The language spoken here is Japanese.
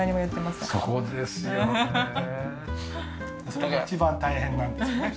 それが一番大変なんですよね。